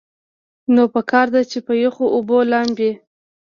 نو پکار ده چې پۀ يخو اوبو لامبي -